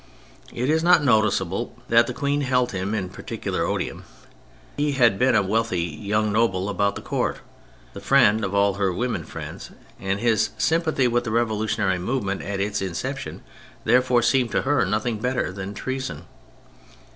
It is noticeable that the Queen held him in particular odium. He had been a wealthy young noble about the Court, the friend of all her women friends, and his sym pathy with the revolutionary movement at its inception therefore seemed to her nothing better than treason.